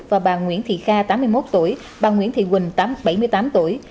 và bà nguyễn thị kha tám mươi một tuổi bà nguyễn thị quỳnh bảy mươi tám tuổi